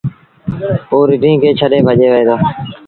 اوٚ رڍينٚ کي ڇڏي ڀڄي وهي دو۔